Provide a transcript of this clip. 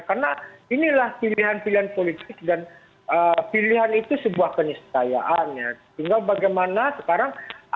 karena inilah pilihan pilihan politik dan pilihan itu sebuah penisipan